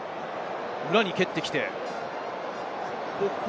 裏に蹴ってきた。